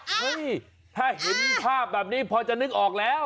เฮ้ยถ้าเห็นภาพแบบนี้พอจะนึกออกแล้ว